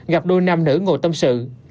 gặp đôi nam nữ ngồi tâm sự